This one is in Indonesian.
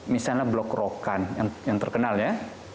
misalnya blok rokan yang terkenal ya